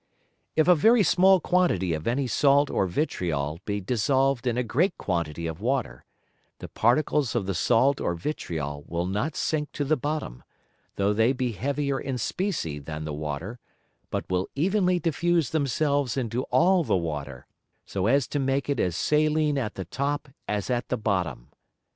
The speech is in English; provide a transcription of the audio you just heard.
If a very small quantity of any Salt or Vitriol be dissolved in a great quantity of Water, the Particles of the Salt or Vitriol will not sink to the bottom, though they be heavier in Specie than the Water, but will evenly diffuse themselves into all the Water, so as to make it as saline at the top as at the bottom.